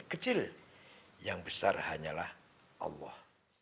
kecil yang besar hanyalah allah